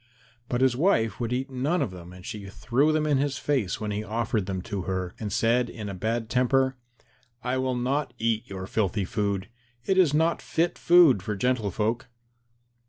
But his wife would eat none of them and she threw them in his face when he offered them to her, and said in a bad temper, "I will not eat your filthy food. It is not fit food for gentle folk."